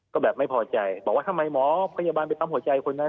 ก็แบบไม่พอใจบอกว่าทำไมหมอพยาบาลไปปั๊มหัวใจคนนั้น